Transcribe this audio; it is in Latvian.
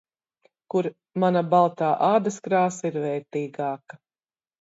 Kur ‘mana baltā ādas krāsa ir vērtīgāka’.